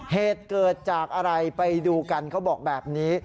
เหตุเกิดจากอะไรไปดูกันเขาบอกแบบนี้